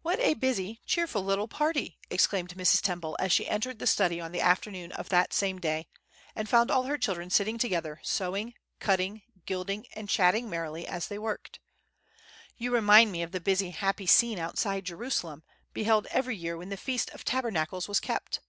"WHAT a busy, cheerful little party!" exclaimed Mrs. Temple, as she entered the study on the afternoon of that same day, and found all her children sitting together, sewing, cutting, gilding, and chatting merrily as they worked. "You remind me of the busy, happy scene outside Jerusalem, beheld every year when the Feast of Tabernacles was kept."